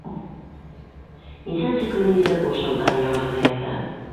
Нисәнсе көн инде ул шунда яңғыҙы ята.